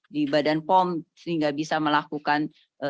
di badan pom sehingga bisa melakukan